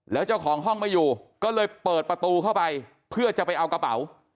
แล้วเจ้าของห้องไม่อยู่ก็เลยเปิดประตูเข้าไปเพื่อจะไปเอากระเป๋า